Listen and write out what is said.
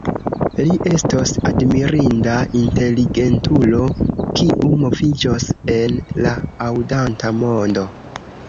Li estos admirinda inteligentulo, kiu moviĝos en la aŭdanta mondo.